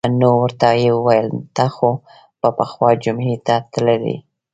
نو ورته یې وویل: ته خو به پخوا جمعې ته تللې.